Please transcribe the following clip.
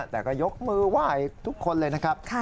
แต่ก็ยกมือไหว้ทุกคนเลยนะครับ